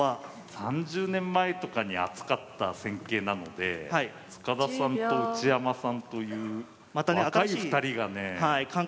３０年前とかに扱った戦型なので塚田さんと内山さんという若い２人がねえ。